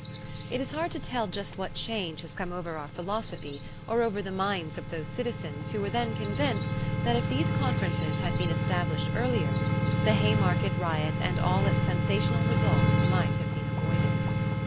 It is hard to tell just what change has come over our philosophy or over the minds of those citizens who were then convinced that if these conferences had been established earlier, the Haymarket riot and all its sensational results might have been avoided.